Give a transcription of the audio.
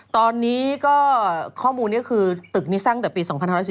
ตอนนี้ก็ข้อมูลนี้คือตึกนี้สร้างแต่ปี๒๐๑๗๑๙๗๔